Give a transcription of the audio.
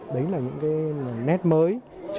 đấy là những nét mới